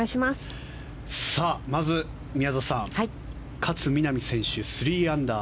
まず、宮里さん勝みなみ選手、３アンダー。